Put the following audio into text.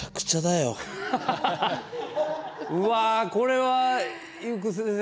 うわこれは伊福先生